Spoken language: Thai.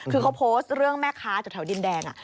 คือเขาโพสต์เรื่องแม่ค้าแถวดินแดง